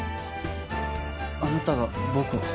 あなたが僕を。